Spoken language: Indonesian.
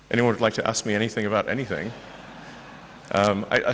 ada yang ingin bertanya tentang apa apa